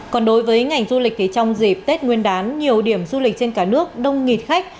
còn đối với ngành du lịch thì trong dịp tết nguyên đán nhiều điểm du lịch trên cả nước đông nghịt khách